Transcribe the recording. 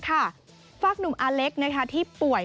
ฝากหนุ่มอาเล็กที่ป่วย